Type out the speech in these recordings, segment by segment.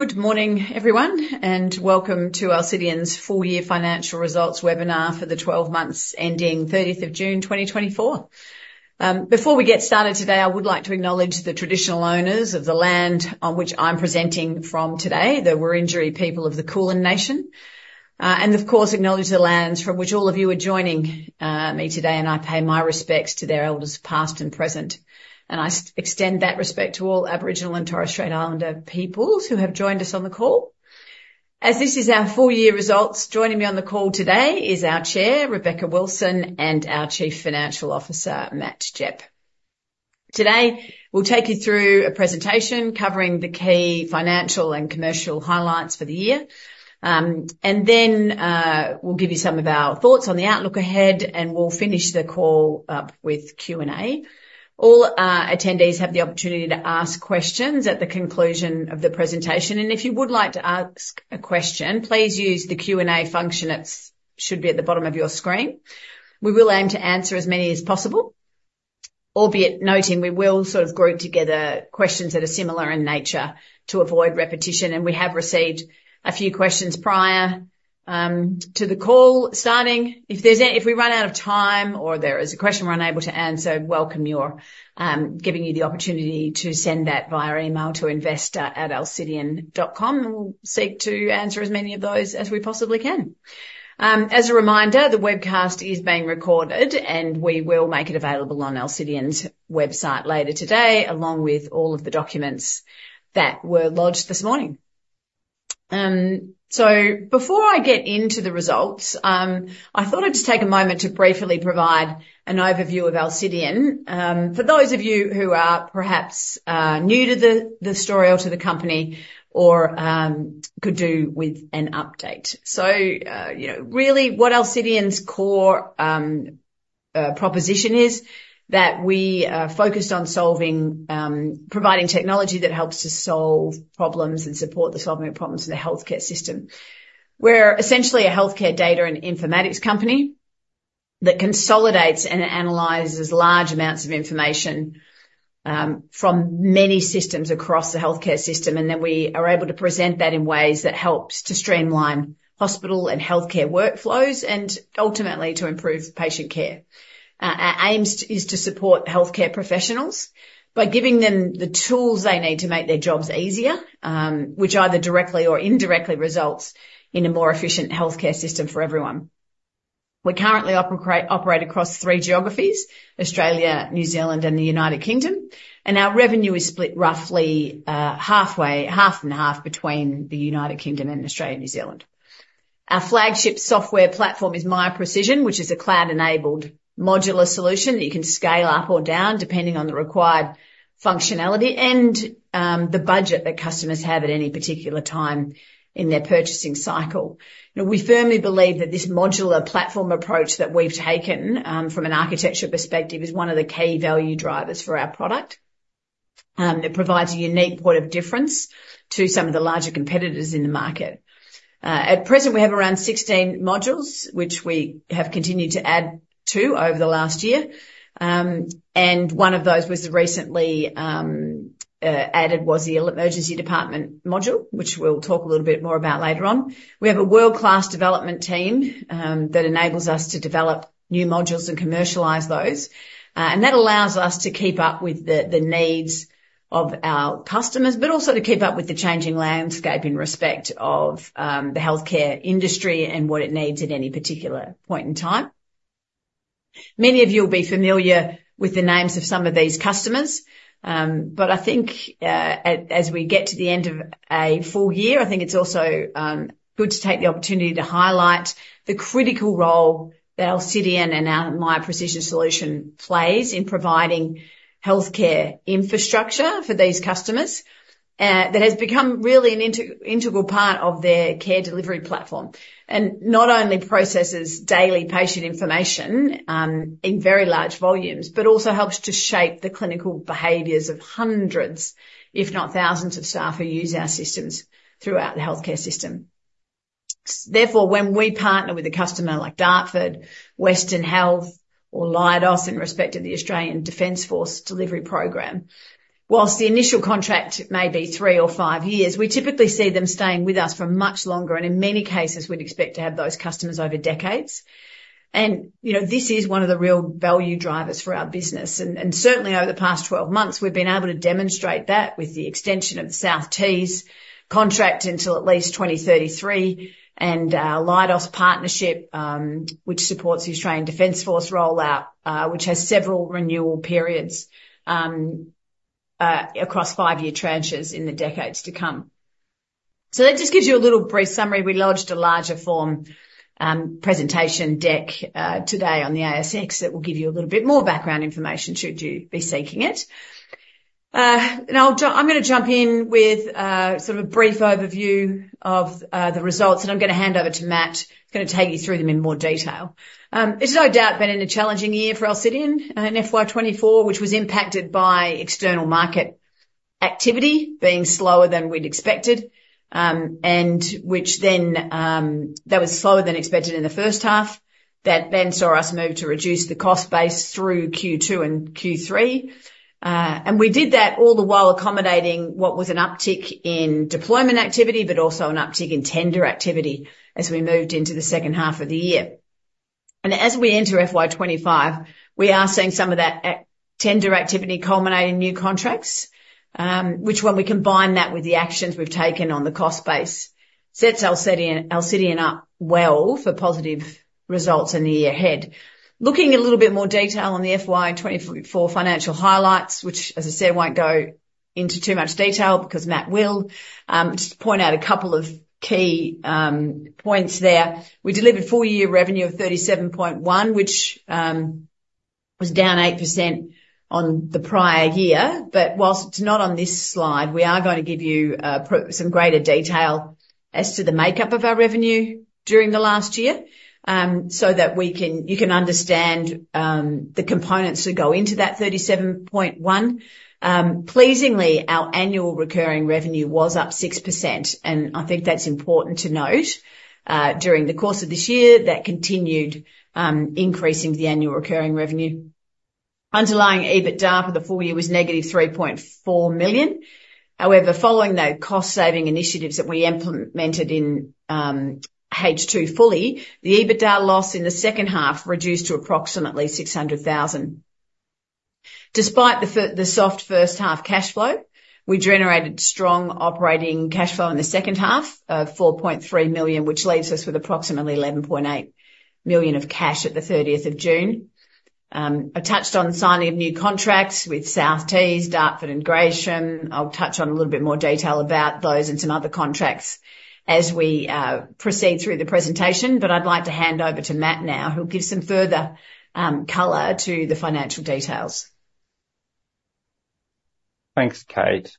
Good morning, everyone, and welcome to Alcidion's full year financial results webinar for the twelve months ending thirtieth of June, twenty twenty-four. Before we get started today, I would like to acknowledge the traditional owners of the land on which I'm presenting from today, the Wurundjeri people of the Kulin Nation. And of course, acknowledge the lands from which all of you are joining me today, and I pay my respects to their elders, past and present, and I extend that respect to all Aboriginal and Torres Strait Islander peoples who have joined us on the call. As this is our full year results, joining me on the call today is our Chair, Rebecca Wilson, and our Chief Financial Officer, Matt Gepp. Today, we'll take you through a presentation covering the key financial and commercial highlights for the year. And then we'll give you some of our thoughts on the outlook ahead, and we'll finish the call up with Q&A. All attendees have the opportunity to ask questions at the conclusion of the presentation, and if you would like to ask a question, please use the Q&A function that should be at the bottom of your screen. We will aim to answer as many as possible, albeit noting we will sort of group together questions that are similar in nature to avoid repetition, and we have received a few questions prior to the call starting. If we run out of time or there is a question we're unable to answer, welcome your giving you the opportunity to send that via email to investor@alcidion.com, and we'll seek to answer as many of those as we possibly can. As a reminder, the webcast is being recorded, and we will make it available on Alcidion's website later today, along with all of the documents that were lodged this morning. So before I get into the results, I thought I'd just take a moment to briefly provide an overview of Alcidion, for those of you who are perhaps new to the story or to the company or could do with an update. You know, really what Alcidion's core proposition is, that we are focused on solving, providing technology that helps to solve problems and support the solving of problems in the healthcare system. We're essentially a healthcare data and informatics company that consolidates and analyzes large amounts of information from many systems across the healthcare system, and then we are able to present that in ways that helps to streamline hospital and healthcare workflows and ultimately to improve patient care. Our aims is to support healthcare professionals by giving them the tools they need to make their jobs easier, which either directly or indirectly results in a more efficient healthcare system for everyone. We currently operate across three geographies, Australia, New Zealand, and the United Kingdom, and our revenue is split roughly halfway, half and half between the United Kingdom and Australia, New Zealand. Our flagship software platform is Miya Precision, which is a cloud-enabled modular solution that you can scale up or down, depending on the required functionality and, the budget that customers have at any particular time in their purchasing cycle. Now, we firmly believe that this modular platform approach that we've taken, from an architecture perspective, is one of the key value drivers for our product. It provides a unique point of difference to some of the larger competitors in the market. At present, we have around 16 modules, which we have continued to add to over the last year. And one of those was recently added, the emergency department module, which we'll talk a little bit more about later on. We have a world-class development team, that enables us to develop new modules and commercialize those. And that allows us to keep up with the needs of our customers, but also to keep up with the changing landscape in respect of the healthcare industry and what it needs at any particular point in time. Many of you will be familiar with the names of some of these customers, but I think as we get to the end of a full year, I think it's also good to take the opportunity to highlight the critical role that Alcidion and our Miya Precision solution plays in providing healthcare infrastructure for these customers. That has become really an integral part of their care delivery platform, and not only processes daily patient information in very large volumes, but also helps to shape the clinical behaviors of hundreds, if not thousands, of staff who use our systems throughout the healthcare system. Therefore, when we partner with a customer like Dartford, Western Health, or Leidos, in respect to the Australian Defence Force delivery program, while the initial contract may be three or five years, we typically see them staying with us for much longer, and in many cases, we'd expect to have those customers over decades. You know, this is one of the real value drivers for our business, and certainly over the past 12 months, we've been able to demonstrate that with the extension of the South Tees contract until at least 2033, and Leidos partnership, which supports the Australian Defence Force rollout, which has several renewal periods, across five-year tranches in the decades to come. That just gives you a little brief summary. We lodged a larger form, presentation deck, today on the ASX that will give you a little bit more background information, should you be seeking it. I'm gonna jump in with, sort of a brief overview of, the results, and I'm gonna hand over to Matt, who's gonna take you through them in more detail. It's no doubt been a challenging year for Alcidion in FY twenty-four, which was impacted by external market activity being slower than we'd expected, and which then, that was slower than expected in the first half. That then saw us move to reduce the cost base through Q2 and Q3. And we did that all the while accommodating what was an uptick in deployment activity, but also an uptick in tender activity as we moved into the second half of the year. As we enter FY 2025, we are seeing some of that tender activity culminating in new contracts, which when we combine that with the actions we've taken on the cost base, sets Alcidion up well for positive results in the year ahead. Looking at a little bit more detail on the FY 2024 financial highlights, which, as I said, won't go into too much detail because Matt will. Just to point out a couple of key points there. We delivered full year revenue of $37.1, which was down 8% on the prior year. But while it's not on this slide, we are going to give you provide some greater detail as to the makeup of our revenue during the last year, so that you can understand the components that go into that $37.1. Pleasingly, our annual recurring revenue was up 6%, and I think that's important to note. During the course of this year, that continued, increasing the annual recurring revenue. Underlying EBITDA for the full year was negative 3.4 million. However, following the cost-saving initiatives that we implemented in H2 fully, the EBITDA loss in the second half reduced to approximately 600,000. Despite the soft first half cash flow, we generated strong operating cash flow in the second half of 4.3 million, which leaves us with approximately 11.8 million of cash at the thirtieth of June. I touched on signing new contracts with South Tees, Dartford, and Gravesham. I'll touch on a little bit more detail about those and some other contracts as we proceed through the presentation, but I'd like to hand over to Matt now, who'll give some further color to the financial details. Thanks, Kate.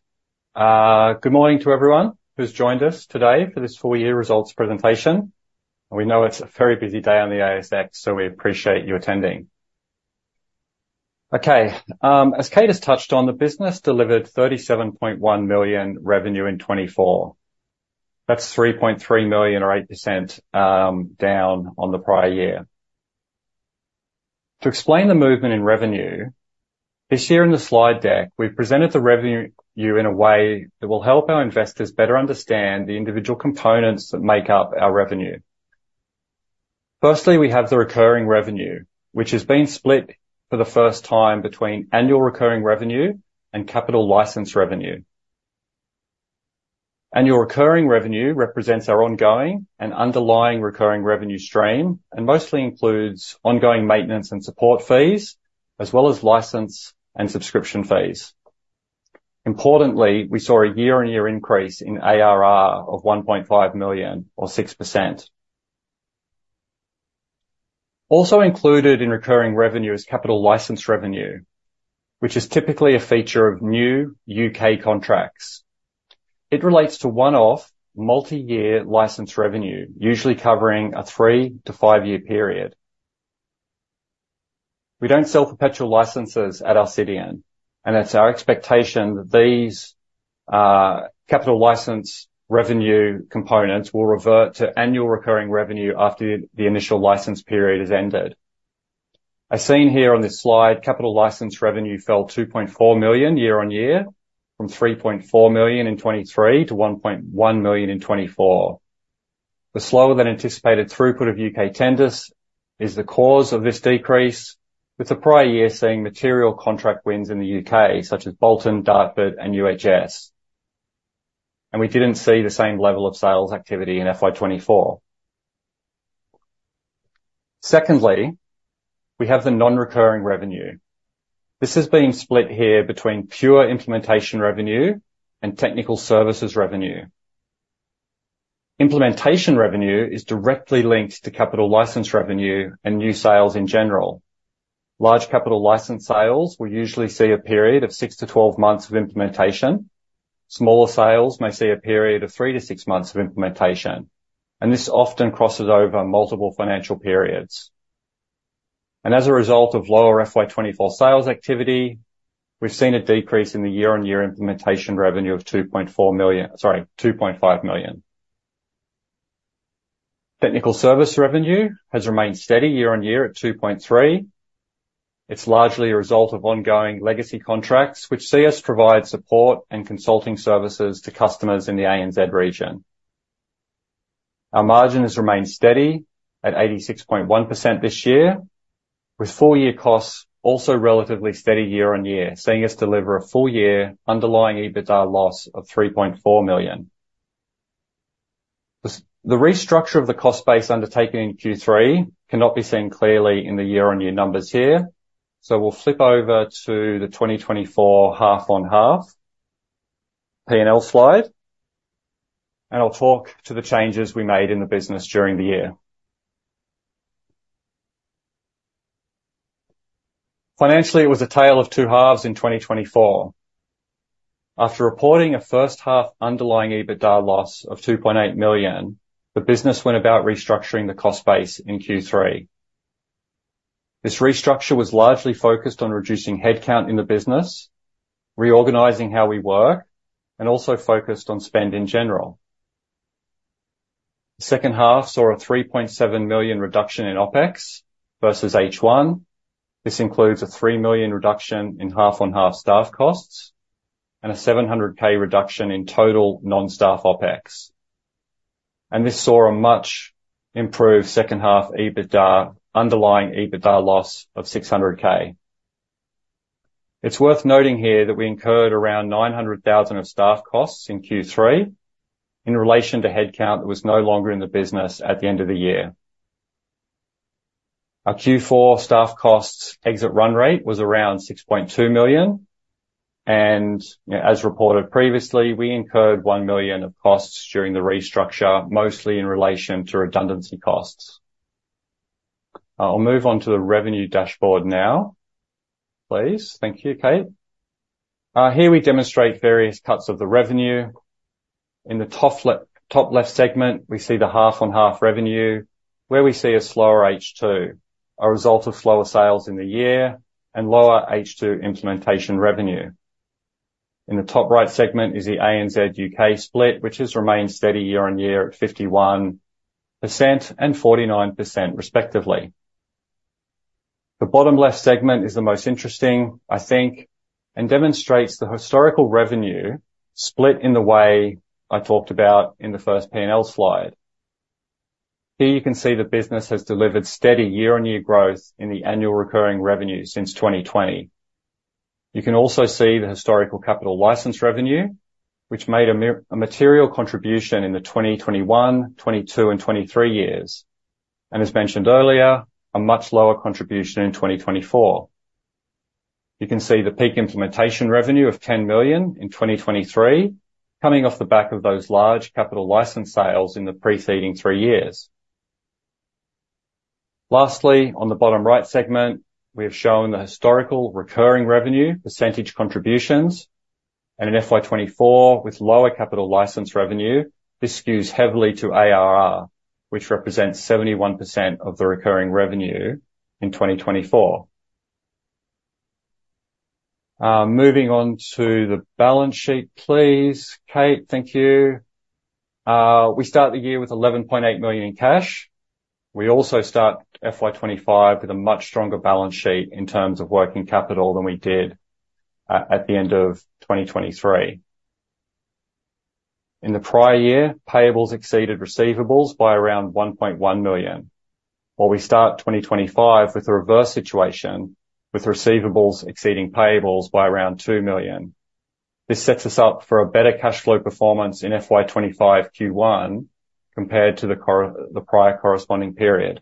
Good morning to everyone who's joined us today for this full year results presentation. We know it's a very busy day on the ASX, so we appreciate you attending. Okay, as Kate has touched on, the business delivered 37.1 million revenue in 2024. That's 3.3 million or 8%, down on the prior year. To explain the movement in revenue, this year in the slide deck, we've presented the revenue to you in a way that will help our investors better understand the individual components that make up our revenue. Firstly, we have the recurring revenue, which has been split for the first time between annual recurring revenue and capital license revenue. Annual recurring revenue represents our ongoing and underlying recurring revenue stream, and mostly includes ongoing maintenance and support fees, as well as license and subscription fees. Importantly, we saw a year-on-year increase in ARR of 1.5 million or 6%. Also included in recurring revenue is capital license revenue, which is typically a feature of new U.K. contracts. It relates to one-off, multi-year license revenue, usually covering a three- to five-year period. We don't sell perpetual licenses at Alcidion, and it's our expectation that these capital license revenue components will revert to annual recurring revenue after the initial license period has ended. As seen here on this slide, capital license revenue fell 2.4 million year-on-year, from 3.4 million in 2023 to 1.1 million in 2024. The slower than anticipated throughput of U.K. tenders is the cause of this decrease, with the prior year seeing material contract wins in the U.K., such as Bolton, Dartford, and UHS. We didn't see the same level of sales activity in FY 2024. Secondly, we have the non-recurring revenue. This has been split here between pure implementation revenue and technical services revenue. Implementation revenue is directly linked to capital license revenue and new sales in general. Large capital license sales will usually see a period of six to 12 months of implementation. Smaller sales may see a period of three to six months of implementation, and this often crosses over multiple financial periods. As a result of lower FY 2024 sales activity, we've seen a decrease in the year-on-year implementation revenue of 2.4 million, sorry, 2.5 million. Technical service revenue has remained steady year-on-year at 2.3. It's largely a result of ongoing legacy contracts, which see us provide support and consulting services to customers in the ANZ region. Our margin has remained steady at 86.1% this year, with full year costs also relatively steady year-on-year, seeing us deliver a full year underlying EBITDA loss of 3.4 million. The restructure of the cost base undertaken in Q3 cannot be seen clearly in the year-on-year numbers here, so we'll flip over to the 2024 half-on-half PNL slide, and I'll talk to the changes we made in the business during the year. Financially, it was a tale of two halves in 2024. After reporting a first half underlying EBITDA loss of 2.8 million, the business went about restructuring the cost base in Q3. This restructure was largely focused on reducing headcount in the business, reorganizing how we work, and also focused on spend in general. The second half saw a 3.7 million reduction in OpEx versus H1. This includes a 3 million reduction in half-on-half staff costs... and a 700,000 reduction in total non-staff OpEx, and this saw a much improved second half EBITDA, underlying EBITDA loss of 600,000. It's worth noting here that we incurred around 900,000 of staff costs in Q3 in relation to headcount that was no longer in the business at the end of the year. Our Q4 staff costs exit run rate was around 6.2 million, and, you know, as reported previously, we incurred 1 million of costs during the restructure, mostly in relation to redundancy costs. I'll move on to the revenue dashboard now, please. Thank you, Kate. Here we demonstrate various cuts of the revenue. In the top left segment, we see the half-on-half revenue, where we see a slower H2, a result of slower sales in the year and lower H2 implementation revenue. In the top right segment is the ANZUK split, which has remained steady year-on-year at 51% and 49% respectively. The bottom left segment is the most interesting, I think, and demonstrates the historical revenue split in the way I talked about in the first P&L slide. Here you can see the business has delivered steady year-on-year growth in the annual recurring revenue since 2020. You can also see the historical capital license revenue, which made a material contribution in the 2021, 2022, and 2023 years, and as mentioned earlier, a much lower contribution in 2024. You can see the peak implementation revenue of 10 million in 2023, coming off the back of those large capital license sales in the preceding three years. Lastly, on the bottom right segment, we have shown the historical recurring revenue percentage contributions, and in FY 2024, with lower capital license revenue, this skews heavily to ARR, which represents 71% of the recurring revenue in 2024. Moving on to the balance sheet, please, Kate. Thank you. We start the year with 11.8 million in cash. We also start FY 2025 with a much stronger balance sheet in terms of working capital than we did at the end of 2023. In the prior year, payables exceeded receivables by around 1.1 million, while we start 2025 with the reverse situation, with receivables exceeding payables by around 2 million. This sets us up for a better cash flow performance in FY 2025 Q1 compared to the prior corresponding period.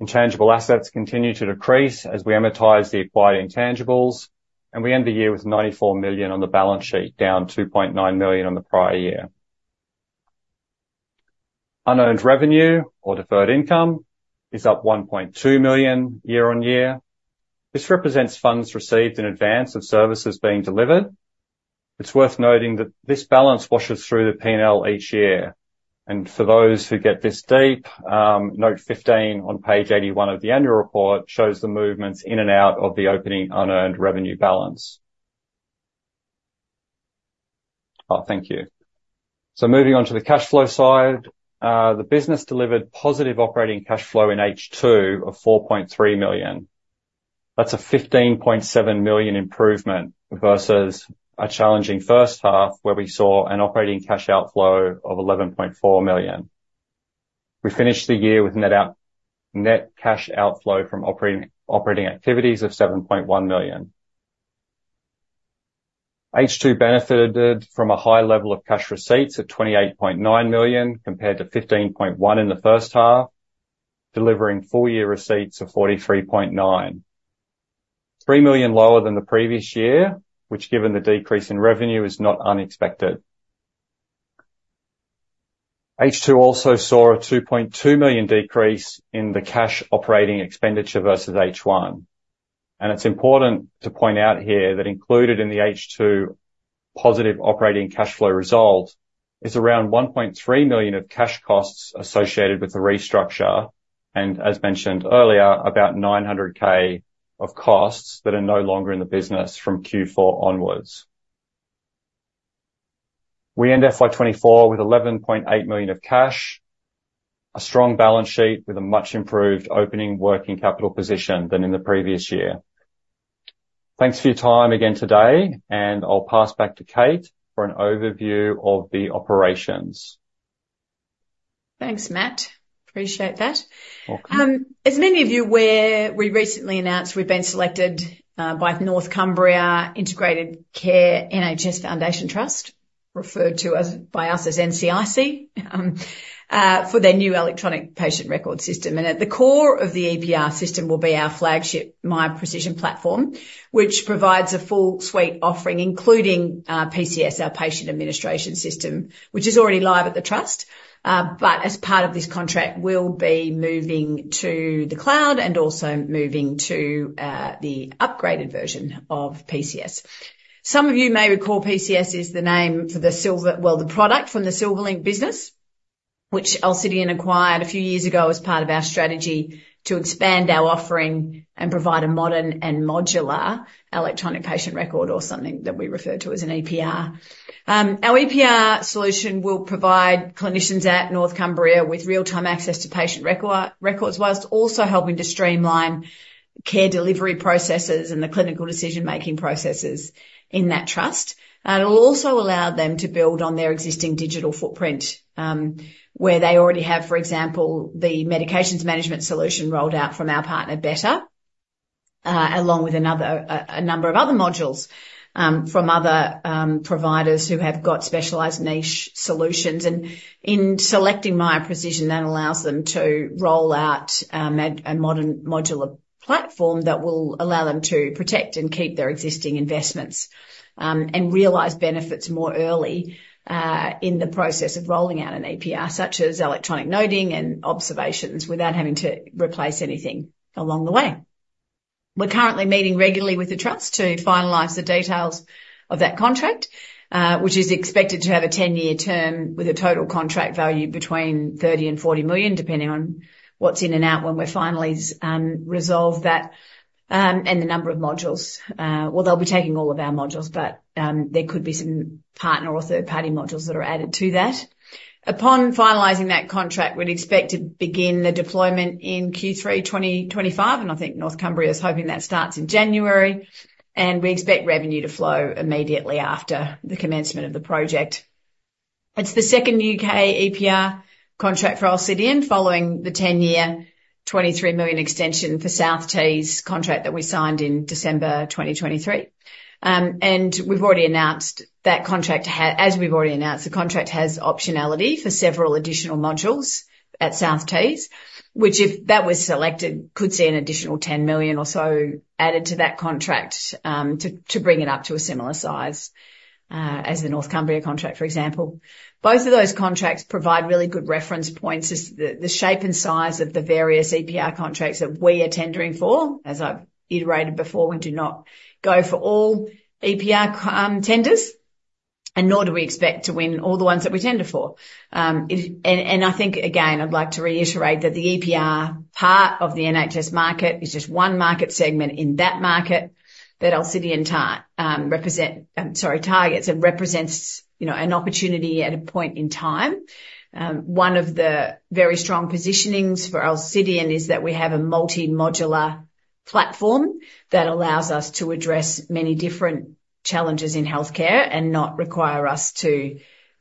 Intangible assets continue to decrease as we amortize the acquired intangibles, and we end the year with $94 million on the balance sheet, down $2.9 million on the prior year. Unearned revenue or deferred income is up $1.2 million year-on-year. This represents funds received in advance of services being delivered. It's worth noting that this balance washes through the P&L each year, and for those who get this deep, note 15 on page 81 of the annual report shows the movements in and out of the opening unearned revenue balance. Oh, thank you. Moving on to the cash flow side, the business delivered positive operating cash flow in H2 of $4.3 million. That's a 15.7 million improvement versus a challenging first half, where we saw an operating cash outflow of 11.4 million. We finished the year with net cash outflow from operating activities of 7.1 million. H2 benefited from a high level of cash receipts at 28.9 million, compared to 15.1 in the first half, delivering full year receipts of 43.9 million. Three million lower than the previous year, which, given the decrease in revenue, is not unexpected. H2 also saw an 2.2 million decrease in the cash operating expenditure versus H1, and it's important to point out here that included in the H2 positive operating cash flow result is around 1.3 million of cash costs associated with the restructure, and as mentioned earlier, about 900K of costs that are no longer in the business from Q4 onwards. We end FY 2024 with 11.8 million of cash, a strong balance sheet with a much improved opening working capital position than in the previous year. Thanks for your time again today, and I'll pass back to Kate for an overview of the operations. Thanks, Matt. Appreciate that. Welcome. As many of you are aware, we recently announced we've been selected by North Cumbria Integrated Care NHS Foundation Trust, referred to as, by us, as NCIC, for their new electronic patient record system, and at the core of the EPR system will be our flagship, Miya Precision platform, which provides a full suite offering, including PCS, our patient administration system, which is already live at the trust, but as part of this contract, we'll be moving to the cloud and also moving to the upgraded version of PCS. Some of you may recall, PCS is the name for the product from the Silverlink business, which Alcidion acquired a few years ago as part of our strategy to expand our offering and provide a modern and modular electronic patient record or something that we refer to as an EPR. Our EPR solution will provide clinicians at North Cumbria with real-time access to patient records, while also helping to streamline care delivery processes and the clinical decision-making processes in that trust. It'll also allow them to build on their existing digital footprint, where they already have, for example, the medications management solution rolled out from our partner, Better, along with a number of other modules from other providers who have got specialized niche solutions. In selecting Miya Precision, that allows them to roll out a modern modular platform that will allow them to protect and keep their existing investments and realize benefits more early in the process of rolling out an EPR, such as electronic noting and observations, without having to replace anything along the way. We're currently meeting regularly with the trust to finalize the details of that contract, which is expected to have a 10-year term with a total contract value between 30 million and 40 million, depending on what's in and out when we finally resolve that, and the number of modules. Well, they'll be taking all of our modules, but there could be some partner or third-party modules that are added to that. Upon finalizing that contract, we'd expect to begin the deployment in Q3 2025, and I think North Cumbria is hoping that starts in January, and we expect revenue to flow immediately after the commencement of the project. It's the second U.K. EPR contract for Alcidion, following the 10-year, 23 million extension for South Tees contract that we signed in December 2023. And we've already announced that contract as we've already announced, the contract has optionality for several additional modules at South Tees, which, if that was selected, could see an additional 10 million or so added to that contract, to bring it up to a similar size, as the North Cumbria contract, for example. Both of those contracts provide really good reference points as the shape and size of the various EPR contracts that we are tendering for. As I've iterated before, we do not go for all EPR tenders, and nor do we expect to win all the ones that we tender for. It and I think, again, I'd like to reiterate that the EPR part of the NHS market is just one market segment in that market that Alcidion targets and represents, you know, an opportunity at a point in time. One of the very strong positionings for Alcidion is that we have a multi-modular platform that allows us to address many different challenges in healthcare and not require us to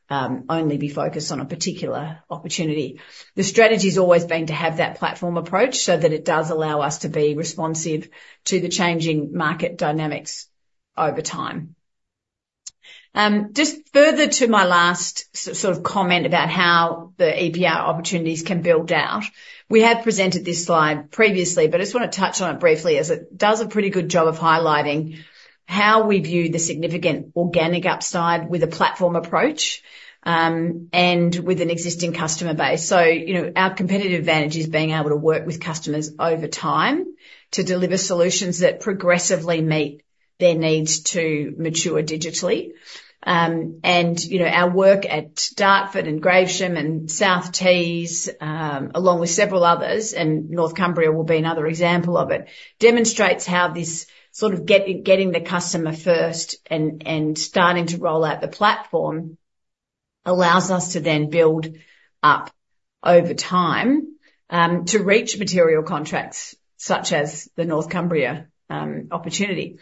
only be focused on a particular opportunity. The strategy's always been to have that platform approach so that it does allow us to be responsive to the changing market dynamics over time. Just further to my last sort of comment about how the EPR opportunities can build out, we have presented this slide previously, but I just wanna touch on it briefly, as it does a pretty good job of highlighting how we view the significant organic upside with a platform approach, and with an existing customer base. So, you know, our competitive advantage is being able to work with customers over time to deliver solutions that progressively meet their needs to mature digitally. And, you know, our work at Dartford and Gravesham, and South Tees, along with several others, and North Cumbria will be another example of it, demonstrates how this sort of getting the customer first and starting to roll out the platform, allows us to then build up over time, to reach material contracts such as the North Cumbria opportunity.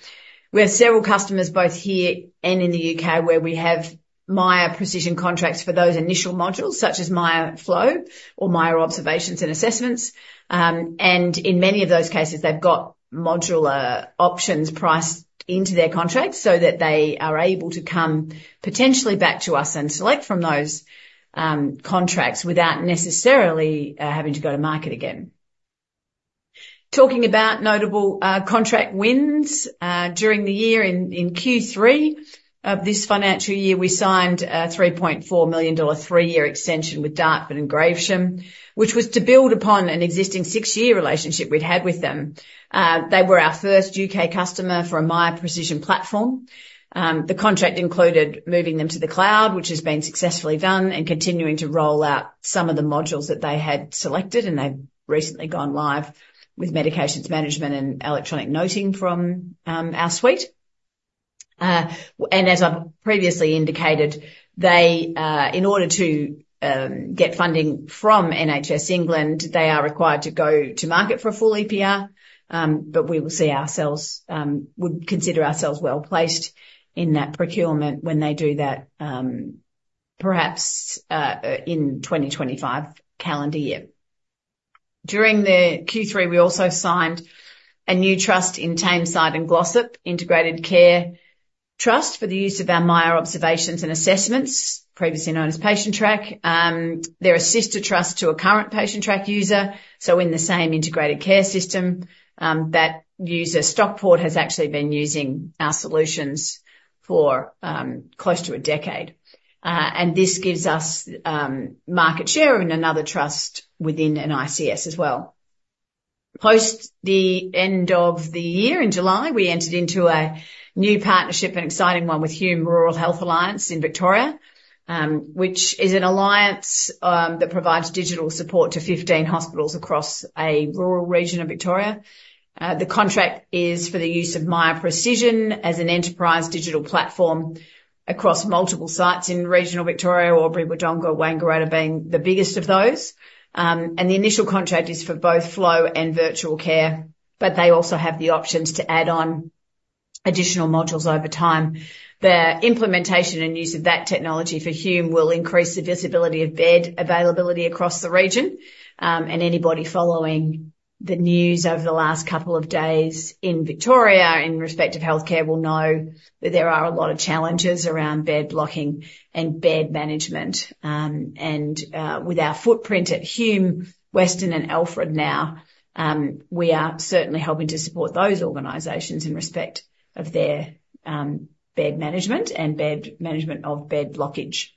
We have several customers, both here and in the U.K., where we have Miya Precision contracts for those initial modules, such as Miya Flow or Miya Observations and Assessments. And in many of those cases, they've got modular options priced into their contracts so that they are able to come potentially back to us and select from those, contracts without necessarily, having to go to market again. Talking about notable, contract wins, during the year in Q3 of this financial year, we signed a 3.4 million dollar, 3-year extension with Dartford and Gravesham, which was to build upon an existing 6-year relationship we'd had with them. They were our first U.K. customer for a Miya Precision platform. The contract included moving them to the cloud, which has been successfully done, and continuing to roll out some of the modules that they had selected, and they've recently gone live with medications management and electronic noting from our suite. As I've previously indicated, they, in order to get funding from NHS England, they are required to go to market for a full EPR, but we would consider ourselves well-placed in that procurement when they do that, perhaps in twenty twenty-five calendar year. During the Q3, we also signed a new trust in Tameside and Glossop Integrated Care NHS Foundation Trust for the use of our Miya Observations and Assessments, previously known as Patientrack. They're a sister trust to a current Patientrack user, so in the same integrated care system, that user, Stockport, has actually been using our solutions for close to a decade, and this gives us market share in another trust within an ICS as well. Post the end of the year, in July, we entered into a new partnership, an exciting one, with Hume Rural Health Alliance in Victoria, which is an alliance that provides digital support to 15 hospitals across a rural region of Victoria. The contract is for the use of Miya Precision as an enterprise digital platform across multiple sites in regional Victoria, Albury-Wodonga, Wangaratta being the biggest of those, and the initial contract is for both Flow and Virtual Care, but they also have the options to add on additional modules over time. The implementation and use of that technology for Hume will increase the visibility of bed availability across the region. Anybody following the news over the last couple of days in Victoria in respect of healthcare will know that there are a lot of challenges around bed blocking and bed management. With our footprint at Hume, Western, and Alfred now, we are certainly helping to support those organizations in respect of their bed management and bed blockage.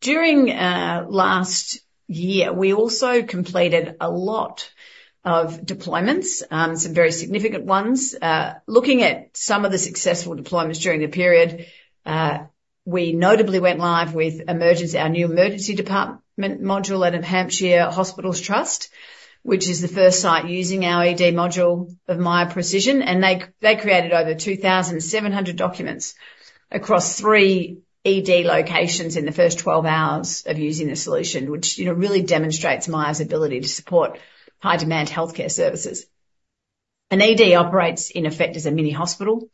During last year, we also completed a lot of deployments, some very significant ones. Looking at some of the successful deployments during the period, we notably went live with Emergency, our new Emergency Department module out of Hampshire Hospitals Trust, which is the first site using our ED module of Miya Precision, and they, they created over 2,700 documents across three ED locations in the first 12 hours of using the solution, which, you know, really demonstrates Miya's ability to support high-demand healthcare services. An ED operates in effect, as a mini hospital,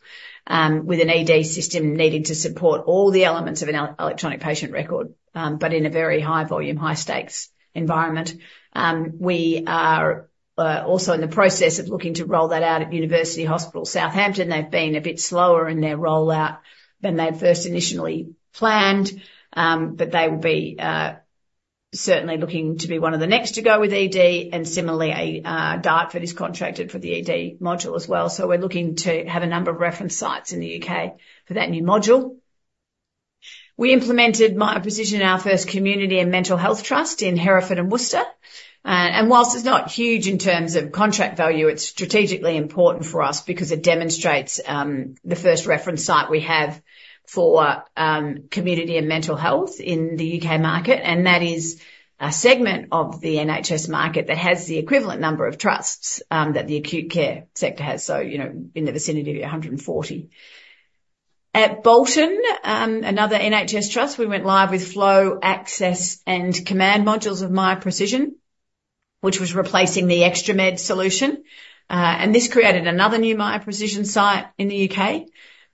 with an ED system needing to support all the elements of an electronic patient record, but in a very high volume, high stakes environment. We are also in the process of looking to roll that out at University Hospital Southampton. They've been a bit slower in their rollout than they had first initially planned, but they will be certainly looking to be one of the next to go with ED and similarly, Dartford is contracted for the ED module as well. So we're looking to have a number of reference sites in the U.K. for that new module. We implemented Miya Precision in our first community and mental health trust in Herefordshire and Worcestershire, and while it's not huge in terms of contract value, it's strategically important for us because it demonstrates the first reference site we have for community and mental health in the U.K. market, and that is a segment of the NHS market that has the equivalent number of trusts that the acute care sector has. So, you know, in the vicinity of 140. At Bolton, another NHS trust, we went live with Flow, Access, and Command modules of Miya Precision, which was replacing the ExtraMed solution, and this created another new Miya Precision site in the UK.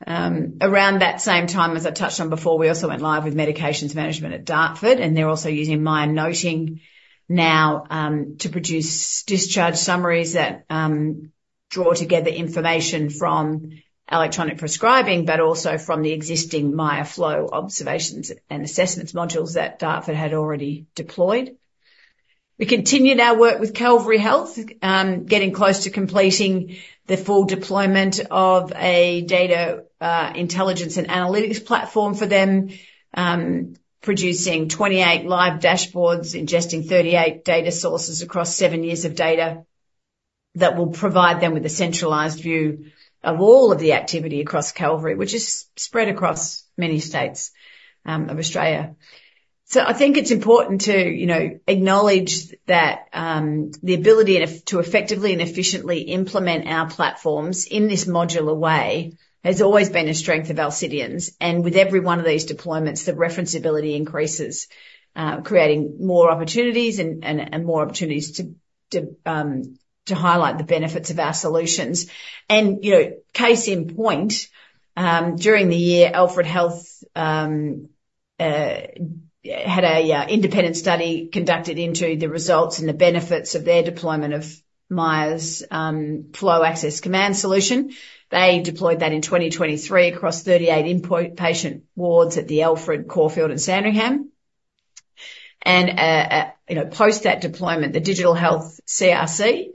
Around that same time as I touched on before, we also went live with medications management at Dartford, and they're also using Miya Noting now, to produce discharge summaries that draw together information from electronic prescribing, but also from the existing Miya Flow observations and assessments modules that Dartford had already deployed. We continued our work with Calvary Health, getting close to completing the full deployment of a data intelligence and analytics platform for them, producing 28 live dashboards, ingesting 38 data sources across seven years of data. That will provide them with a centralized view of all of the activity across Calvary, which is spread across many states of Australia. I think it's important to, you know, acknowledge that the ability to effectively and efficiently implement our platforms in this modular way has always been a strength of Alcidion's, and with every one of these deployments, the reference ability increases, creating more opportunities and more opportunities to highlight the benefits of our solutions. You know, case in point, during the year, Alfred Health had an independent study conducted into the results and the benefits of their deployment of Miya Flow, Access, Command solution. They deployed that in 2023 across 38 inpatient wards at the Alfred, Caulfield, and Sandringham. Post that deployment, the Digital Health CRC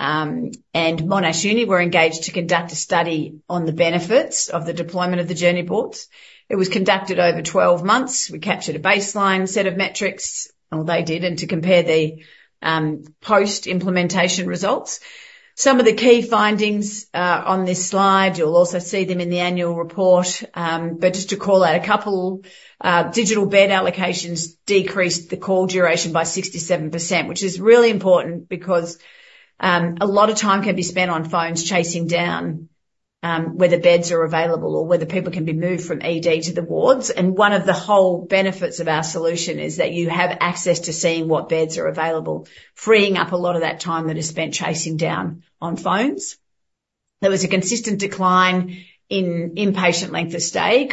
and Monash Uni were engaged to conduct a study on the benefits of the deployment of the journey boards. It was conducted over twelve months. We captured a baseline set of metrics, or they did, and to compare the post-implementation results. Some of the key findings on this slide, you'll also see them in the annual report. But just to call out a couple, digital bed allocations decreased the call duration by 67%, which is really important because a lot of time can be spent on phones chasing down whether beds are available or whether people can be moved from ED to the wards, and one of the whole benefits of our solution is that you have access to seeing what beds are available, freeing up a lot of that time that is spent chasing down on phones. There was a consistent decline in inpatient length of stay,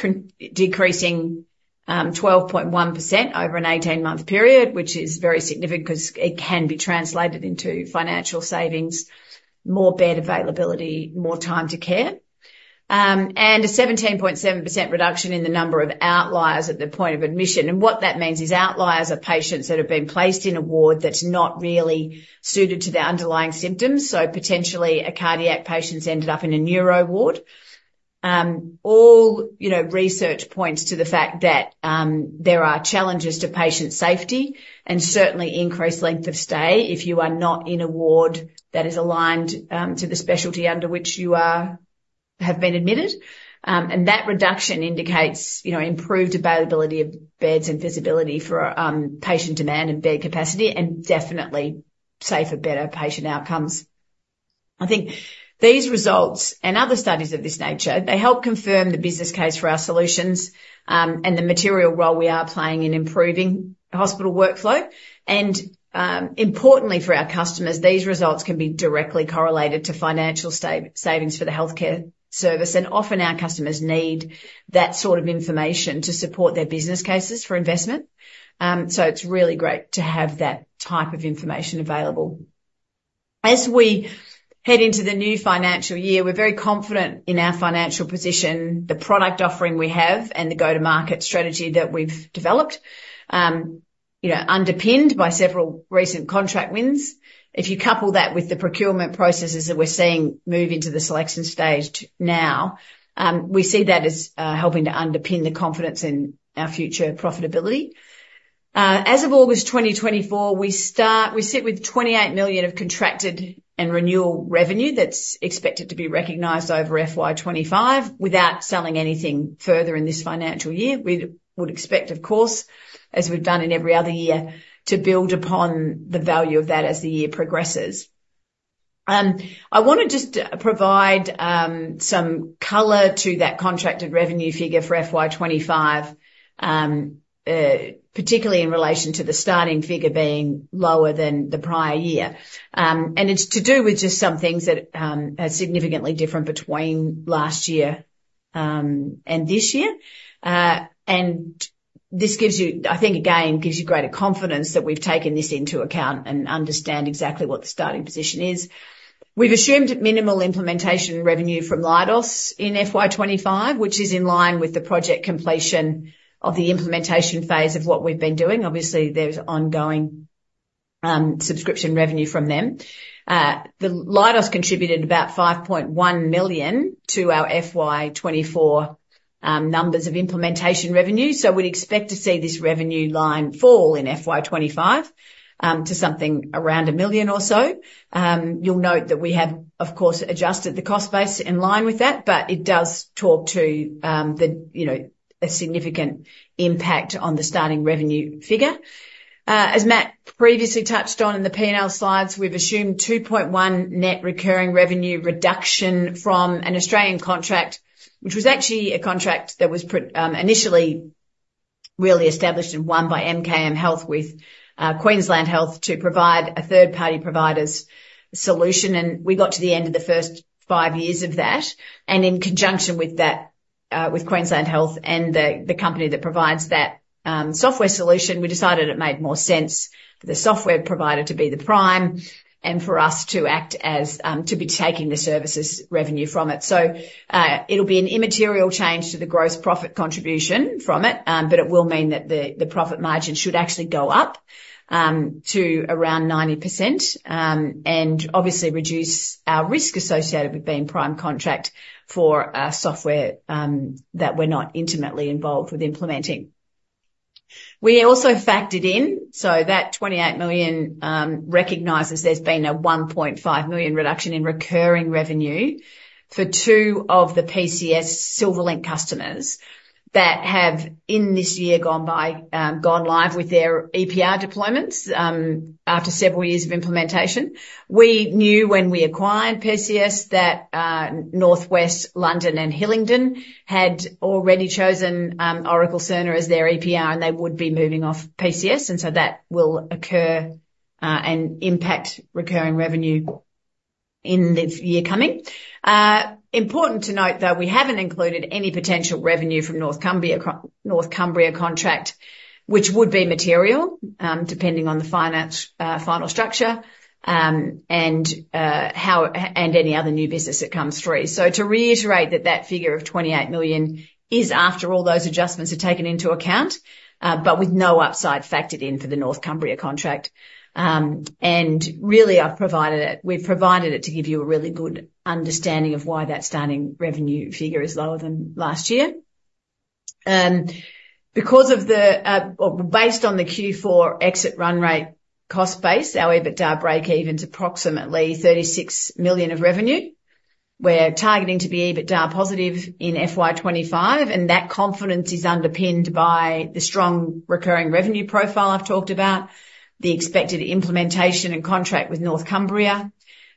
decreasing 12.1% over an 18-month period, which is very significant because it can be translated into financial savings, more bed availability, more time to care, and a 17.7% reduction in the number of outliers at the point of admission. And what that means is outliers are patients that have been placed in a ward that's not really suited to their underlying symptoms. So potentially, a cardiac patient's ended up in a neuro ward. You know, research points to the fact that there are challenges to patient safety and certainly increased length of stay if you are not in a ward that is aligned to the specialty under which you have been admitted. And that reduction indicates, you know, improved availability of beds and visibility for patient demand and bed capacity, and definitely safer, better patient outcomes. I think these results and other studies of this nature, they help confirm the business case for our solutions, and the material role we are playing in improving hospital workflow. Importantly for our customers, these results can be directly correlated to financial savings for the healthcare service, and often our customers need that sort of information to support their business cases for investment. It's really great to have that type of information available. As we head into the new financial year, we're very confident in our financial position, the product offering we have, and the go-to-market strategy that we've developed, you know, underpinned by several recent contract wins. If you couple that with the procurement processes that we're seeing move into the selection stage now, we see that as helping to underpin the confidence in our future profitability. As of August 2024, we sit with 28 million of contracted and renewal revenue that's expected to be recognized over FY 2025, without selling anything further in this financial year. We would expect, of course, as we've done in every other year, to build upon the value of that as the year progresses. I wanna just provide some color to that contracted revenue figure for FY 2025, particularly in relation to the starting figure being lower than the prior year. It's to do with just some things that are significantly different between last year and this year. This gives you, I think, greater confidence that we've taken this into account and understand exactly what the starting position is. We've assumed minimal implementation revenue from Leidos in FY 2025, which is in line with the project completion of the implementation phase of what we've been doing. Obviously, there's ongoing subscription revenue from them. The Leidos contributed about 5.1 million to our FY 2024 numbers of implementation revenue, so we'd expect to see this revenue line fall in FY 2025 to something around 1 million or so. You'll note that we have, of course, adjusted the cost base in line with that, but it does talk to the, you know, a significant impact on the starting revenue figure. As Matt previously touched on in the P&L slides, we've assumed 2.1 million net recurring revenue reduction from an Australian contract, which was actually a contract that was pre initially really established and won by MKM Health with Queensland Health to provide a third-party provider's solution, and we got to the end of the first five years of that. And in conjunction with that, with Queensland Health and the company that provides that software solution, we decided it made more sense for the software provider to be the prime and for us to act as to be taking the services revenue from it. So it'll be an immaterial change to the gross profit contribution from it, but it will mean that the profit margin should actually go up to around 90%. And obviously reduce our risk associated with being prime contract for a software that we're not intimately involved with implementing. We also factored in, so that twenty-eight million recognizes there's been a one point five million reduction in recurring revenue for two of the Silverlink PCS customers that have, in this year, gone by, gone live with their EPR deployments, after several years of implementation. We knew when we acquired PCS that, London North West and Hillingdon had already chosen, Oracle Cerner as their EPR, and they would be moving off PCS, and so that will occur, and impact recurring revenue in the year coming. Important to note, though, we haven't included any potential revenue from North Cumbria contract, which would be material, depending on the financial final structure, and how and any other new business that comes through. To reiterate that figure of 28 million is after all those adjustments are taken into account, but with no upside factored in for the North Cumbria contract. Really, we've provided it to give you a really good understanding of why that starting revenue figure is lower than last year. Because, based on the Q4 exit run rate cost base, our EBITDA breakeven's approximately 36 million of revenue. We're targeting to be EBITDA positive in FY 2025, and that confidence is underpinned by the strong recurring revenue profile I've talked about, the expected implementation and contract with North Cumbria,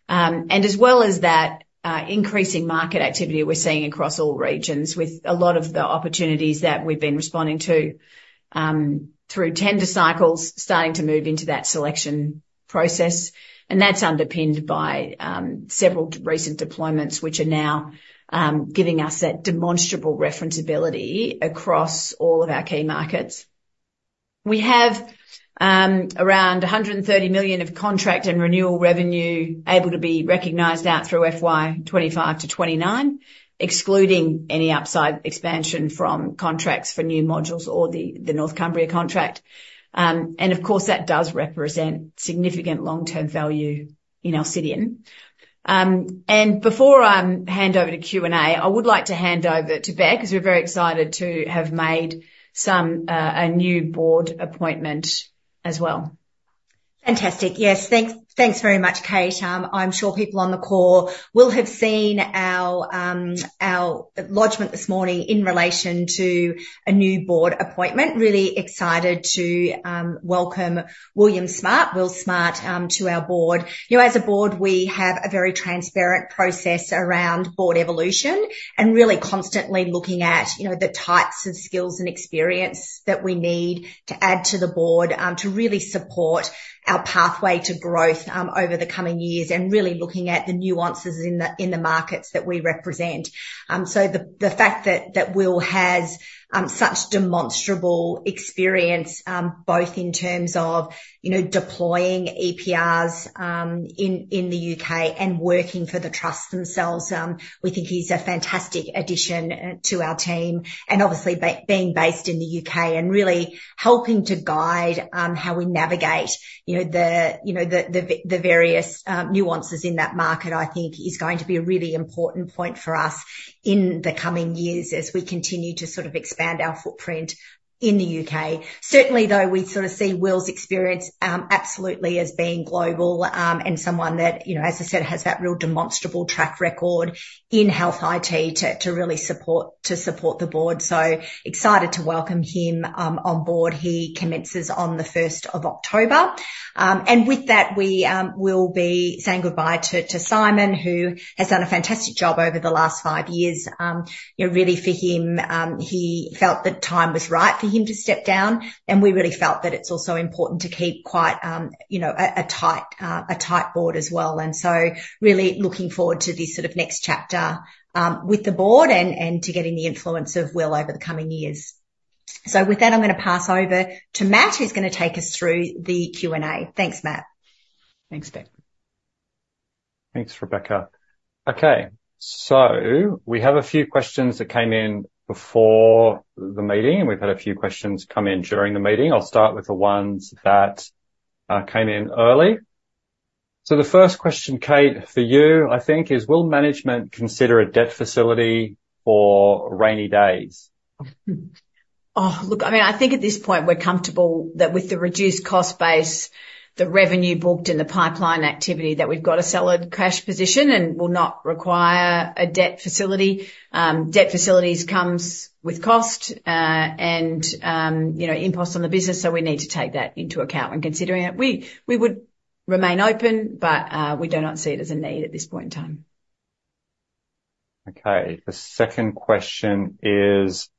and as well as that, increasing market activity we're seeing across all regions, with a lot of the opportunities that we've been responding to through tender cycles starting to move into that selection process. And that's underpinned by several recent deployments, which are now giving us that demonstrable referenceability across all of our key markets. We have around 130 million of contract and renewal revenue able to be recognized out through FY 2025-2029, excluding any upside expansion from contracts for new modules or the North Cumbria contract. And of course, that does represent significant long-term value in Alcidion. And before I hand over to Q&A, I would like to hand over to Rebecca, because we're very excited to have made a new board appointment as well.... Fantastic. Yes, thanks, thanks very much, Kate. I'm sure people on the call will have seen our lodgment this morning in relation to a new board appointment. Really excited to welcome William Smart, Will Smart, to our board. You know, as a board, we have a very transparent process around board evolution, and really constantly looking at, you know, the types of skills and experience that we need to add to the board, to really support our pathway to growth, over the coming years, and really looking at the nuances in the, in the markets that we represent. So the fact that Will has such demonstrable experience both in terms of you know deploying EPRs in the U.K. and working for the trust themselves we think he's a fantastic addition to our team, and obviously being based in the U.K. and really helping to guide how we navigate you know the various nuances in that market, I think is going to be a really important point for us in the coming years as we continue to sort of expand our footprint in the U.K. Certainly though we sort of see Will's experience absolutely as being global and someone that you know as I said has that real demonstrable track record in health IT to really support the board. So excited to welcome him on board. He commences on the first of October. And with that, we will be saying goodbye to Simon, who has done a fantastic job over the last five years. You know, really for him, he felt the time was right for him to step down, and we really felt that it's also important to keep quite a tight board as well. And so really looking forward to this sort of next chapter with the board and to getting the influence of Will over the coming years. So with that, I'm gonna pass over to Matt, who's gonna take us through the Q&A. Thanks, Matt. Thanks, Bec. Thanks, Rebecca. Okay, so we have a few questions that came in before the meeting, and we've had a few questions come in during the meeting. I'll start with the ones that came in early. So the first question, Kate, for you, I think, is: Will management consider a debt facility for rainy days? I mean, I think at this point, we're comfortable that with the reduced cost base, the revenue booked and the pipeline activity, that we've got a solid cash position and will not require a debt facility. Debt facilities comes with cost, and you know, imposition on the business, so we need to take that into account when considering it. We would remain open, but we do not see it as a need at this point in time. Okay. The second question is: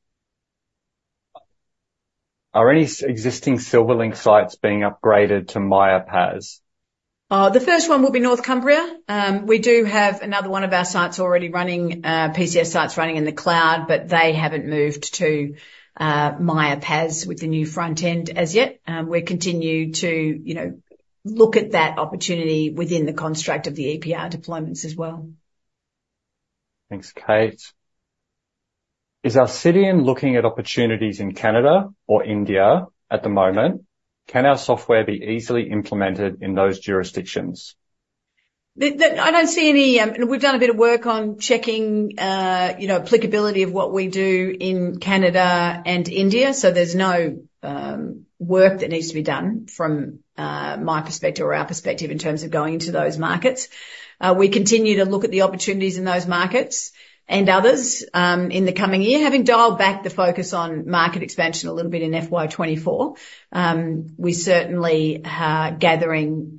Are any existing Silverlink sites being upgraded to Miya PAS? The first one will be North Cumbria. We do have another one of our sites already running PCS sites in the cloud, but they haven't moved to Miya PAS with the new front end as yet. We continue to, you know, look at that opportunity within the construct of the EPR deployments as well. Thanks, Kate. Is Alcidion looking at opportunities in Canada or India at the moment? Can our software be easily implemented in those jurisdictions? I don't see any. We've done a bit of work on checking, you know, applicability of what we do in Canada and India, so there's no work that needs to be done from my perspective or our perspective in terms of going into those markets. We continue to look at the opportunities in those markets and others in the coming year. Having dialed back the focus on market expansion a little bit in FY twenty-four, we certainly are gathering,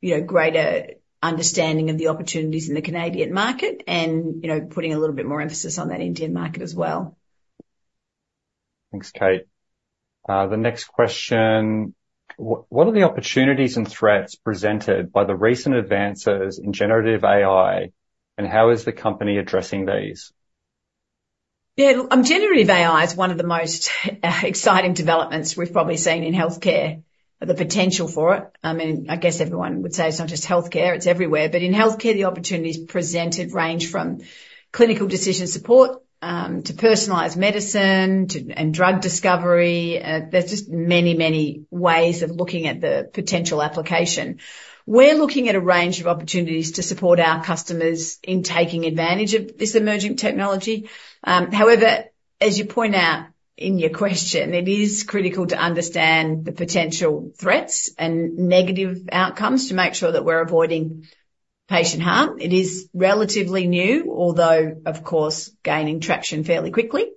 you know, greater understanding of the opportunities in the Canadian market and, you know, putting a little bit more emphasis on that Indian market as well. Thanks, Kate. The next question: What are the opportunities and threats presented by the recent advances in generative AI, and how is the company addressing these? Yeah, Generative AI is one of the most exciting developments we've probably seen in healthcare. The potential for it, I mean, I guess everyone would say it's not just healthcare, it's everywhere, but in healthcare, the opportunities presented range from clinical decision support to personalized medicine and drug discovery. There's just many, many ways of looking at the potential application. We're looking at a range of opportunities to support our customers in taking advantage of this emerging technology. However, as you point out in your question, it is critical to understand the potential threats and negative outcomes to make sure that we're avoiding patient harm. It is relatively new, although, of course, gaining traction fairly quickly.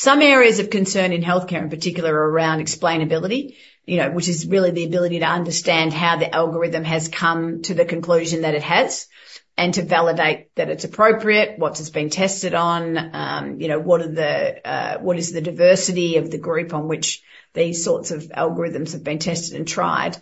Some areas of concern in healthcare, in particular, are around explainability, you know, which is really the ability to understand how the algorithm has come to the conclusion that it has, and to validate that it's appropriate, what it's been tested on, you know, what is the diversity of the group on which these sorts of algorithms have been tested and tried.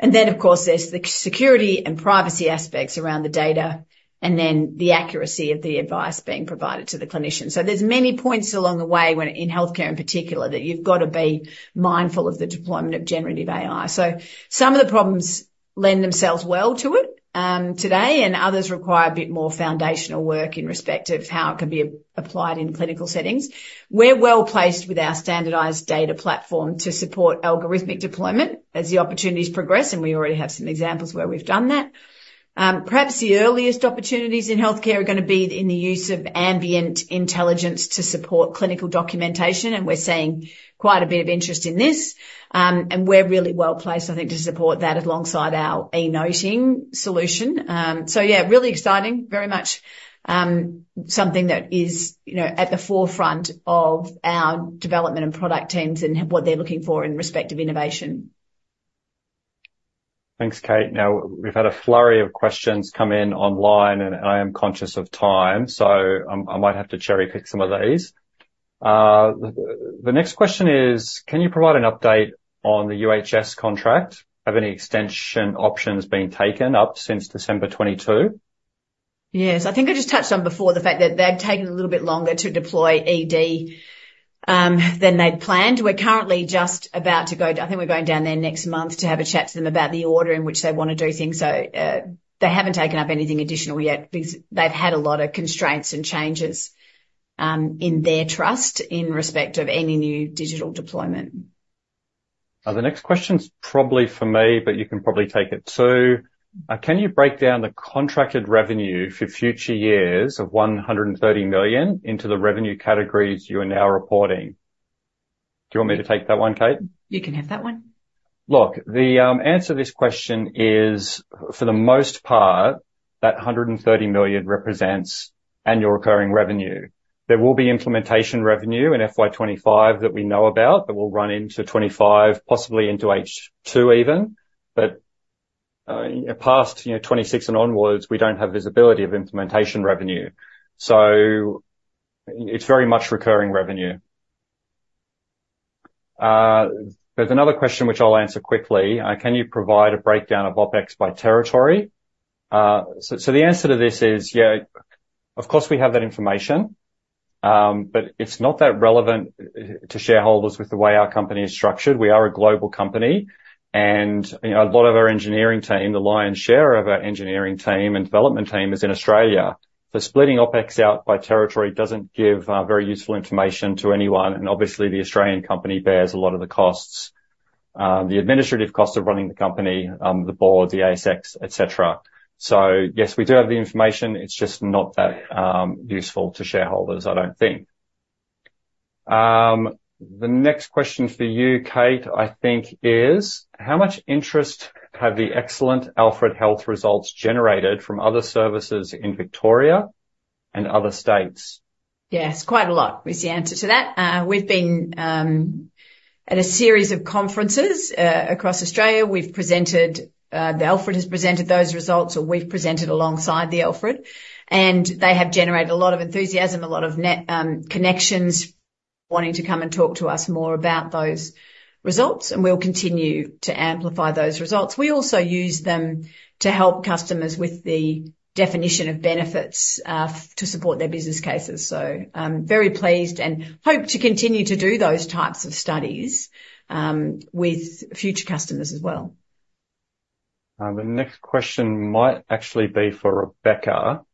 And then, of course, there's the security and privacy aspects around the data, and then the accuracy of the advice being provided to the clinician. So there's many points along the way when, in healthcare in particular, that you've got to be mindful of the deployment of generative AI. So some of the problems lend themselves well to it, today, and others require a bit more foundational work in respect of how it can be applied in clinical settings. We're well-placed with our standardized data platform to support algorithmic deployment as the opportunities progress, and we already have some examples where we've done that. Perhaps the earliest opportunities in healthcare are gonna be in the use of ambient intelligence to support clinical documentation, and we're seeing quite a bit of interest in this, and we're really well placed, I think, to support that alongside our e-noting solution, so yeah, really exciting. Very much, something that is, you know, at the forefront of our development and product teams, and what they're looking for in respective innovation. Thanks, Kate. Now, we've had a flurry of questions come in online, and I am conscious of time, so, I might have to cherry-pick some of these. The next question is: Can you provide an update on the UHS contract? Have any extension options been taken up since December 2022? Yes. I think I just touched on before, the fact that they've taken a little bit longer to deploy ED than they'd planned. We're currently I think we're going down there next month to have a chat to them about the order in which they wanna do things. So, they haven't taken up anything additional yet because they've had a lot of constraints and changes in their trust in respect of any new digital deployment. The next question's probably for me, but you can probably take it, too. Can you break down the contracted revenue for future years of 130 million into the revenue categories you are now reporting? Do you want me to take that one, Kate? You can have that one. Look, the answer to this question is, for the most part, that 130 million represents annual recurring revenue. There will be implementation revenue in FY 2025 that we know about, that will run into 2025, possibly into H2 even, but past, you know, 2026 and onwards, we don't have visibility of implementation revenue. So it's very much recurring revenue. There's another question which I'll answer quickly. Can you provide a breakdown of OpEx by territory? So the answer to this is, yeah, of course, we have that information, but it's not that relevant to shareholders with the way our company is structured. We are a global company, and, you know, a lot of our engineering team, the lion's share of our engineering team and development team is in Australia. So splitting OpEx out by territory doesn't give very useful information to anyone, and obviously, the Australian company bears a lot of the costs. The administrative costs of running the company, the board, the ASX, et cetera. So yes, we do have the information, it's just not that useful to shareholders, I don't think. The next question for you, Kate, I think, is: How much interest have the excellent Alfred Health results generated from other services in Victoria and other states? Yes, quite a lot is the answer to that. We've been at a series of conferences across Australia. We've presented, the Alfred has presented those results, or we've presented alongside the Alfred, and they have generated a lot of enthusiasm, a lot of net connections, wanting to come and talk to us more about those results, and we'll continue to amplify those results. We also use them to help customers with the definition of benefits to support their business cases. So, very pleased and hope to continue to do those types of studies with future customers as well. The next question might actually be for Rebecca.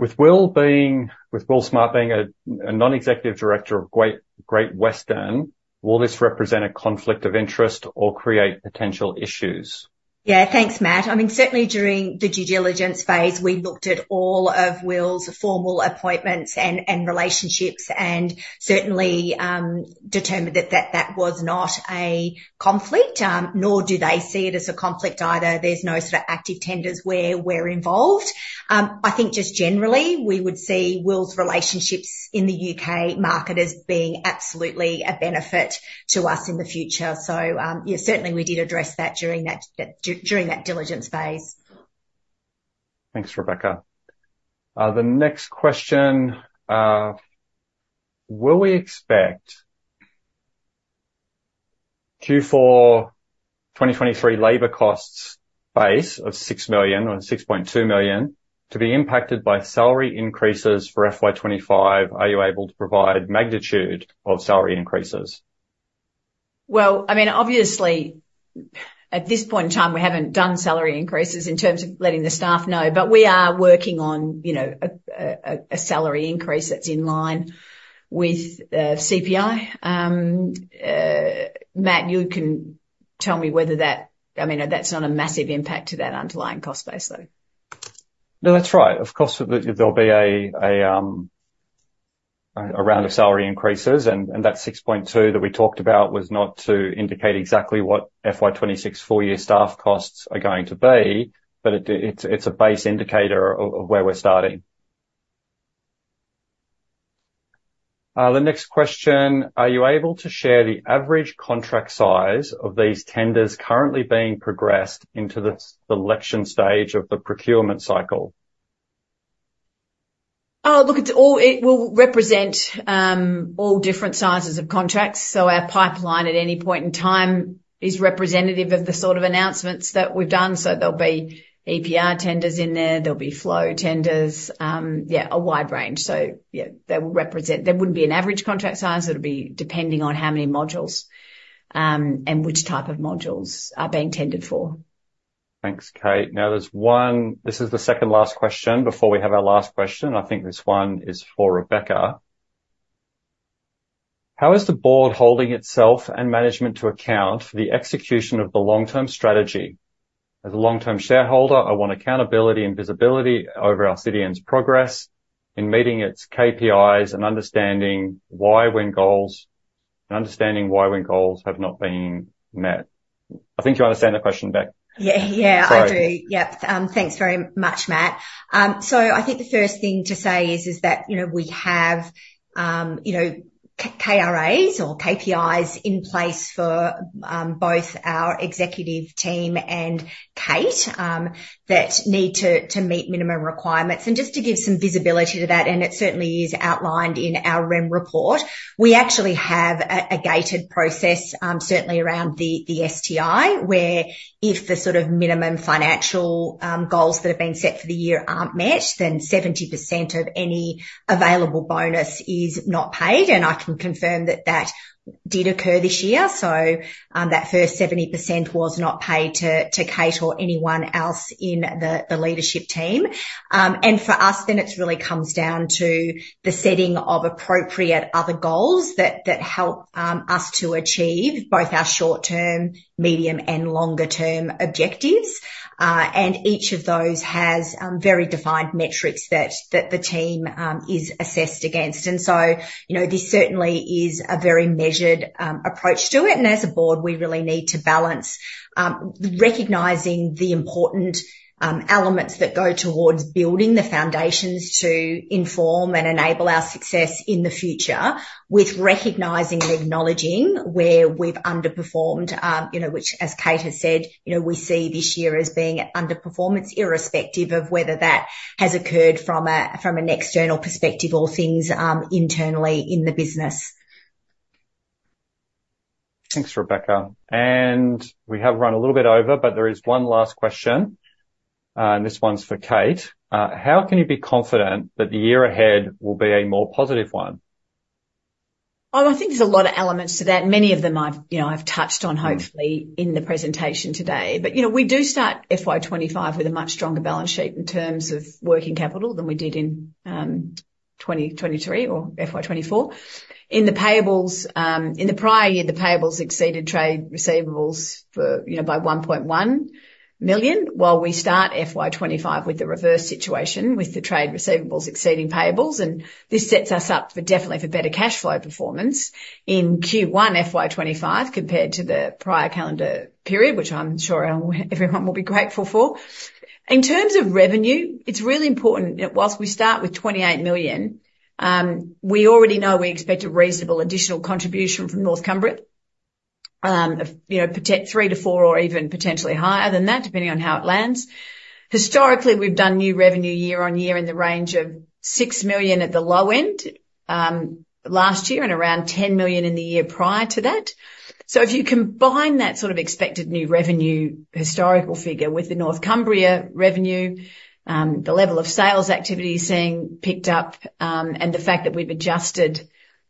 With Will Smart being a non-executive director of Great Western, will this represent a conflict of interest or create potential issues? Yeah, thanks, Matt. I mean, certainly during the due diligence phase, we looked at all of Will's formal appointments and relationships, and certainly determined that that was not a conflict, nor do they see it as a conflict either. There's no sort of active tenders where we're involved. I think just generally, we would see Will's relationships in the U.K. market as being absolutely a benefit to us in the future. So, yeah, certainly we did address that during that diligence phase. Thanks, Rebecca. The next question: Will we expect Q4 2023 labor costs base of six million or six point two million to be impacted by salary increases for FY 2025? Are you able to provide magnitude of salary increases? I mean, obviously, at this point in time, we haven't done salary increases in terms of letting the staff know, but we are working on, you know, a salary increase that's in line with CPI. Matt, you can tell me whether that. I mean, that's not a massive impact to that underlying cost base, though. No, that's right. Of course, there'll be a round of salary increases, and that six point two that we talked about was not to indicate exactly what FY 2026 full year staff costs are going to be, but it's a base indicator of where we're starting. The next question: Are you able to share the average contract size of these tenders currently being progressed into the selection stage of the procurement cycle? Oh, look, it will represent all different sizes of contracts. So our pipeline at any point in time is representative of the sort of announcements that we've done. So there'll be EPR tenders in there, there'll be flow tenders. Yeah, a wide range. So yeah, they will represent. There wouldn't be an average contract size. It'll be depending on how many modules and which type of modules are being tended for. Thanks, Kate. Now, there's one, this is the second to last question before we have our last question. I think this one is for Rebecca. How is the board holding itself and management to account for the execution of the long-term strategy? As a long-term shareholder, I want accountability and visibility over Alcidion's progress in meeting its KPIs and understanding why when goals have not been met. I think you understand the question, Bec. Yeah. Yeah, I do. Sorry. Yep, thanks very much, Matt. So I think the first thing to say is that, you know, we have, you know, KRAs or KPIs in place for both our executive team and Kate that need to meet minimum requirements. Just to give some visibility to that, and it certainly is outlined in our REM report, we actually have a gated process certainly around the STI, where if the sort of minimum financial goals that have been set for the year aren't met, then 70% of any available bonus is not paid, and I can confirm that that did occur this year, so that first 70% was not paid to Kate or anyone else in the leadership team. And for us, then it's really comes down to the setting of appropriate other goals that help us to achieve both our short-term, medium, and longer term objectives. And each of those has very defined metrics that the team is assessed against. And so, you know, this certainly is a very measured approach to it, and as a board, we really need to balance recognizing the important elements that go towards building the foundations to inform and enable our success in the future with recognizing and acknowledging where we've underperformed. You know, which, as Kate has said, you know, we see this year as being underperformance, irrespective of whether that has occurred from an external perspective or things internally in the business. Thanks, Rebecca. And we have run a little bit over, but there is one last question, and this one's for Kate. How can you be confident that the year ahead will be a more positive one? I think there's a lot of elements to that. Many of them I've, you know, I've touched on, hopefully, in the presentation today. But, you know, we do start FY 2025 with a much stronger balance sheet in terms of working capital than we did in 2023 or FY 2024. In the payables, in the prior year, the payables exceeded trade receivables for, you know, by 1.1 million, while we start FY 2025 with the reverse situation, with the trade receivables exceeding payables, and this sets us up for definitely for better cashflow performance in Q1 FY 2025 compared to the prior calendar period, which I'm sure everyone will be grateful for. In terms of revenue, it's really important, you know, whilst we start with 28 million, we already know we expect a reasonable additional contribution from North Cumbria. You know, potentially three to four or even higher than that, depending on how it lands. Historically, we've done new revenue year-on-year in the range of 6 million at the low end, last year and around 10 million in the year prior to that. So if you combine that sort of expected new revenue historical figure with the North Cumbria revenue, the level of sales activity seeing picked up, and the fact that we've adjusted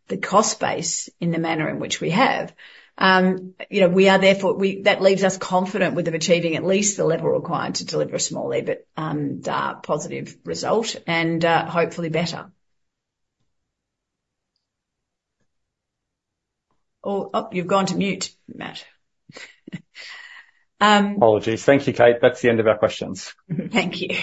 the cost base in the manner in which we have, you know, we are therefore that leaves us confident with them achieving at least the level required to deliver a small EBIT positive result and hopefully better. Oh, you've gone mute, Matt. Apologies. Thank you, Kate. That's the end of our questions. Mm-hmm. Thank you.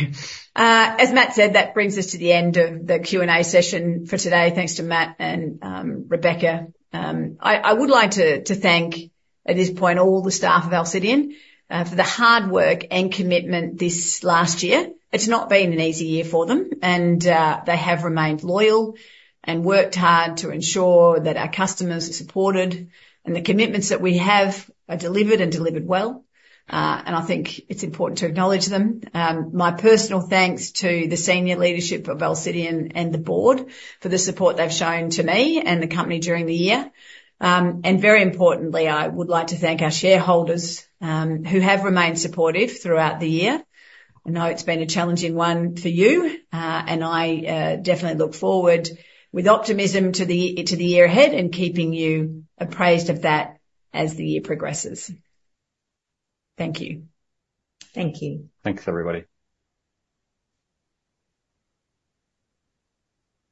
As Matt said, that brings us to the end of the Q&A session for today. Thanks to Matt and Rebecca. I would like to thank, at this point, all the staff of Alcidion for the hard work and commitment this last year. It's not been an easy year for them, and they have remained loyal and worked hard to ensure that our customers are supported and the commitments that we have are delivered and delivered well. I think it's important to acknowledge them. My personal thanks to the senior leadership of Alcidion and the board for the support they've shown to me and the company during the year. Very importantly, I would like to thank our shareholders who have remained supportive throughout the year. I know it's been a challenging one for you, and I definitely look forward with optimism to the year ahead and keeping you apprise of that as the year progresses. Thank you. Thank you. Thanks, everybody.